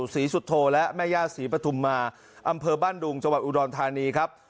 ศรีสุโธและแม่ย่าศรีปฐุมมาอำเภอบ้านดุงจังหวัดอุดรธานีครับ